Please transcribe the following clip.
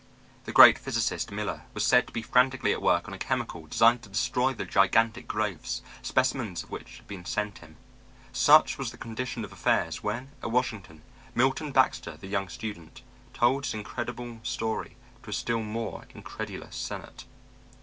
The great physicist Miller was said to be frantically at work on a chemical designed to destroy the gigantic growths, specimens of which had been sent him. Such was the condition of affairs when, at Washington, Milton Baxter, the young student, told his incredible story to a still more incredulous Senate.